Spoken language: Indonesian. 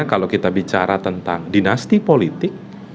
kalau kita bicara tentang dinasti politik